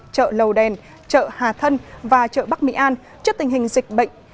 chợ lầu đèn chợ hà thân và chợ bắc mỹ an trước tình hình dịch bệnh